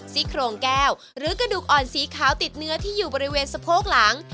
ซี่โครงแก้วหรือกระดูกอ่อนสีขาวติดเนื้อที่อยู่บริเวณสะโพกหลัง